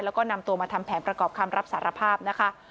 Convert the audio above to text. แล้วก็นำตัวมาทำแผนประกอบคำรับสารภาพนะคะ